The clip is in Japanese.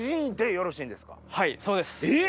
はいそうです。